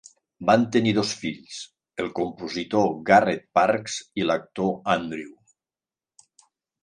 Van tenir dos fills, el compositor Garrett Parks i l'actor Andrew.